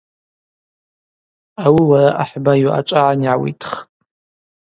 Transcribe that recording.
Ауи уара ахӏба йуъачӏвагӏан йгӏауитхтӏ.